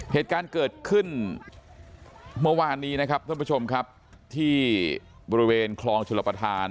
เหตุการณ์เกิดขึ้นเมื่อวานนี้นะครับท่านผู้ชมครับที่บริเวณคลองชลประธาน